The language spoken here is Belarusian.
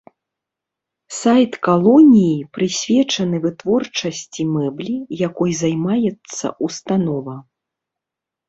Сайт калоніі прысвечаны вытворчасці мэблі, якой займаецца ўстанова.